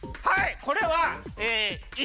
はい！